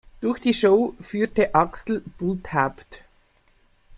Durch die Show führte Axel Bulthaupt.